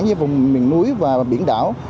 như vùng miền núi và biển đảo